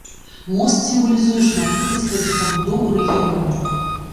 Мост сімвалізуе шматлікасць гэтых пабудоў у рэгіёне.